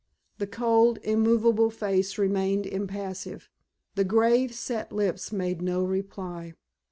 The cold, immovable face remained impassive, the grave set lips made no reply.